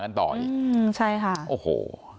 กันต่ออีกอืมใช่ค่ะโอ้โห